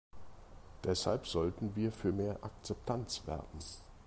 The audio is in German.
Deshalb sollten wir für mehr Akzeptanz werben.